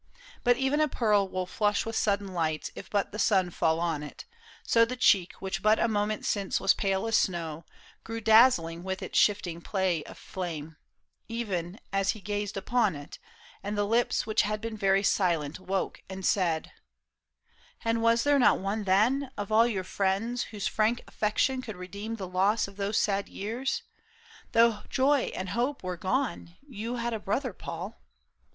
But even a pearl will flush with sudden lights If but the sun fall on it ; so the cheek Which but a moment since was pale as snow, Grew dazzling with its shifting play of flame Ev'n as he gazed upon it, and the lips Which had been very silent, woke and said, " And was there not one, then, of all your friends, Whose frank affection could redeem the loss Of these sad years ? Though joy and hope were gone. You had a brother, Paul."